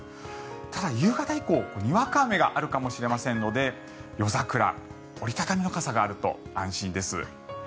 ただ、夕方以降、にわか雨があるかもしれませんので夜桜、折り畳みの傘があると安心です。